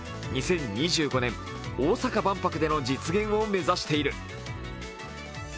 ２０２５年、大阪万博での実現を目指している。